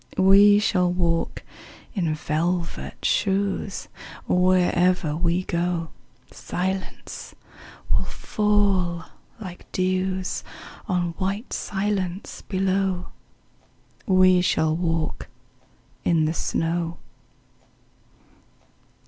We shall walk in velvet shoes: Wherever we go Silence will fall like dews On white silence below. We shall walk in the snow.